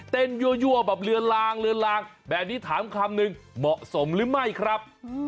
ยั่วแบบเลือนลางเลือนลางแบบนี้ถามคำนึงเหมาะสมหรือไม่ครับ